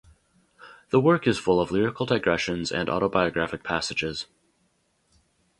The work is full of lyrical digressions and autobiographic passages.